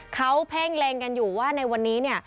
เขาเพ่งเล็งกันอยู่ว่าในวันนี้เนี่ย